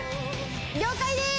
了解です